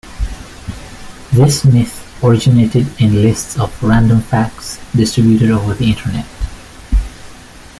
This myth originated in lists of "Random Facts" distributed over the Internet.